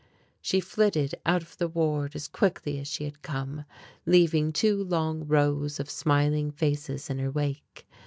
She flitted out of the ward as quickly as she had come, leaving two long rows of smiling faces in her wake.